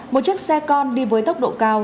một chiếc xe con đi với tốc độ cao